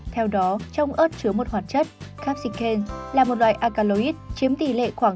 theo đó trong ớt chứa một hoạt chất capsicum là một loại alkaloid chiếm tỷ lệ khoảng năm hai